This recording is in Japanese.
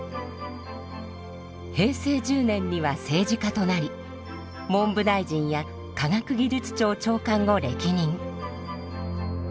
平成１０年には政治家となり文部大臣や科学技術庁長官を歴任。